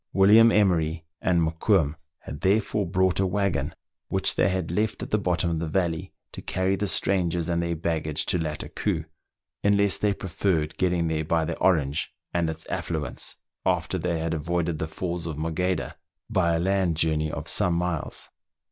William Emery and Mokoum had therefore brought a waggon, which they 8 meridiana; the adventures of had left at the bottom of the valley, to carry the strangers and their baggage to Lattakoo, unless they preferred getting there by the Orange and its affluents, after they had avoided the Falls of Morgheda by a land journey of some miles.